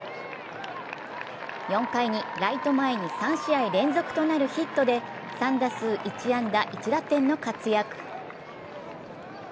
そして、打者・大谷は４回にライト前に３試合連続となるヒットで３打数１安打１打点の活躍。